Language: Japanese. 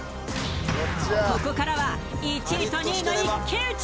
ここからは１位と２位の一騎打ち！